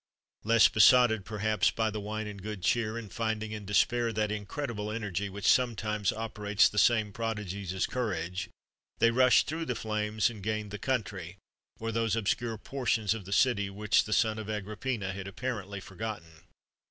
Less besotted, perhaps, by the wine and good cheer, and finding in despair that incredible energy which sometimes operates the same prodigies as courage, they rushed through the flames, and gained the country, or those obscure portions of the city which the son of Agrippina had apparently forgotten.